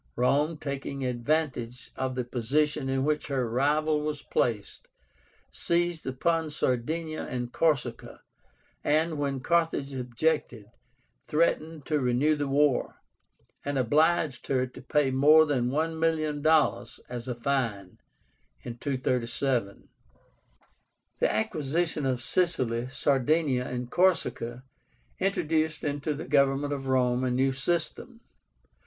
Rome, taking advantage of the position in which her rival was placed, seized upon SARDINIA and CORSICA, and, when Carthage objected, threatened to renew the war, and obliged her to pay more than one million dollars as a fine (237). The acquisition of Sicily, Sardinia, and Corsica introduced into the government of Rome a new system; viz.